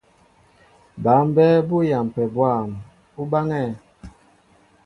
Bǎ mbɛ́ɛ́ bú yampɛ bwâm, ú báŋɛ́ɛ̄.